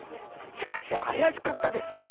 しかし怪しかったですよ！